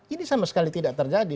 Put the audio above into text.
ini sama sekali tidak terjadi